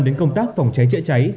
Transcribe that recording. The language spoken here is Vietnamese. đến công tác phòng cháy chữa cháy